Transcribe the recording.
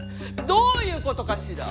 どういうことかしら。